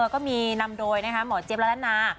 ก็มีนำโดยหมอเจี๊ยบและละนา